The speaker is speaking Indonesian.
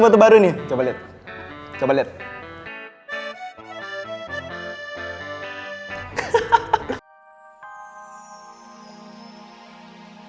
mendalami karakter untuk pesta kostum